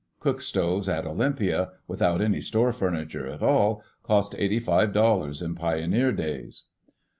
Cook stoves at Olympia, without any store furniture at all, cost eighty five dollars in pioneer days.